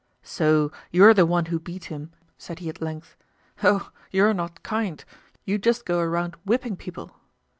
"So, you're the one who beat him," said he at length. "Oh! you're not kind. You just go around whipping people."